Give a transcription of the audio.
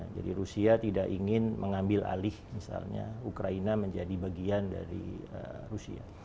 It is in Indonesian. jadi rusia tidak ingin mengambil alih misalnya ukraina menjadi bagian dari rusia